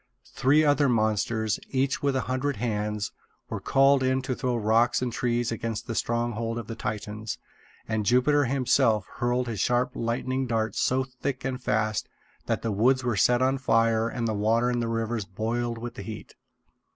Three other monsters, each with a hundred hands, were called in to throw rocks and trees against the stronghold of the Titans; and Jupiter himself hurled his sharp lightning darts so thick and fast that the woods were set on fire and the water in the rivers boiled with the heat.